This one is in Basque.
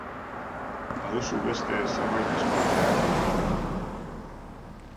Baduzu beste zerbait esku artean?